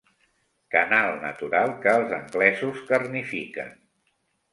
Canal natural que els anglesos carnifiquen.